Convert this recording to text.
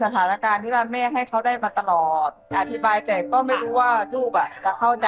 เพราะเราก็ไม่รู้ว่าสถานกาศ